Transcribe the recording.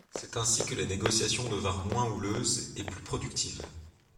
C’est ainsi que les négociations devinrent moins houleuses et plus productives.